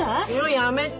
やめて。